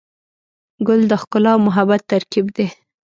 ګل د ښکلا او محبت ترکیب دی.